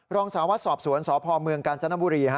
รองสาววัดสอบสวนสพเมืองกาญจนบุรี